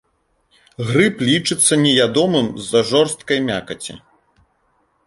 Грыб лічыцца неядомым з-за жорсткай мякаці.